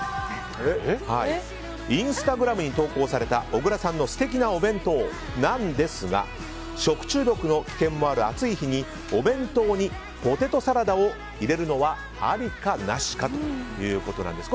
インスタグラムに投稿された小倉さんの素敵なお弁当なんですが食中毒の危険もある暑い日にお弁当にポテトサラダを入れるのはありか、なしかということです。